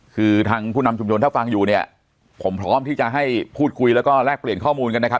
คือทางผู้นำชุมชนถ้าฟังอยู่เนี่ยผมพร้อมที่จะให้พูดคุยแล้วก็แลกเปลี่ยนข้อมูลกันนะครับ